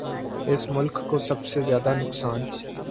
اس ملک کو سب سے زیادہ نقصان